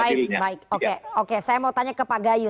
baik baik oke oke saya mau tanya ke pak gayu